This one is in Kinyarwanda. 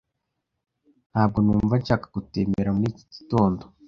Ntabwo numva nshaka gutembera muri iki gitondo.